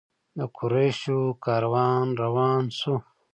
د قریشو کاروان روان شو.